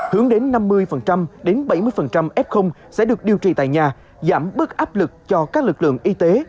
hướng đến năm mươi đến bảy mươi f sẽ được điều trị tại nhà giảm bớt áp lực cho các lực lượng y tế